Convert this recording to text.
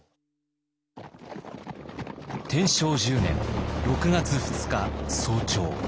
天正１０年６月２日早朝。